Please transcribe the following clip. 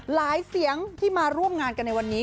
เสียงที่มาร่วมงานกันในวันนี้